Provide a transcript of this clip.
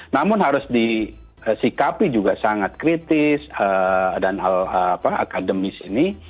namun harus disikapi juga sangat kritis dan akademis ini